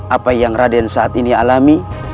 apa yang raden saat ini alami